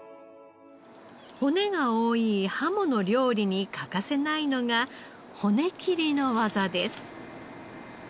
骨が多いハモの料理に欠かせないのが骨切りの技です。